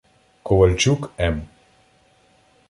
Ковальчук М.